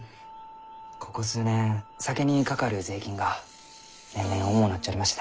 ここ数年酒にかかる税金が年々重うなっちょりまして。